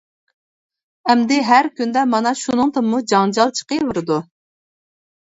ئەمدى ھەر كۈندە مانا شۇنىڭدىنمۇ جاڭجال چىقىۋېرىدۇ.